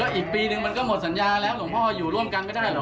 อีกปีนึงมันก็หมดสัญญาแล้วหลวงพ่ออยู่ร่วมกันไม่ได้เหรอ